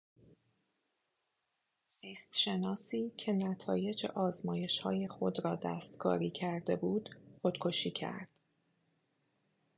زیست شناسی که نتایج آزمایشهای خود را دستکاری کرده بود خودکشی کرد.